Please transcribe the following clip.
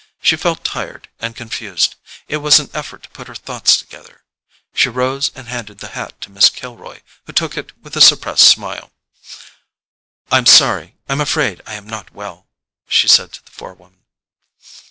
She felt tired and confused: it was an effort to put her thoughts together. She rose and handed the hat to Miss Kilroy, who took it with a suppressed smile. "I'm sorry; I'm afraid I am not well," she said to the forewoman.